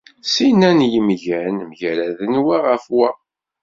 Sin-a n yimgan mgaraden wa ɣef wa.